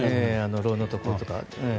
炉のところとか。